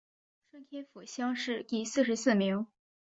顺天府乡试第四十四名。